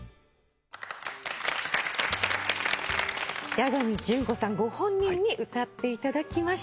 八神純子さんご本人に歌っていただきました。